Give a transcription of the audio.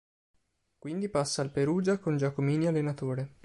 Quindi passa al Perugia con Giacomini allenatore.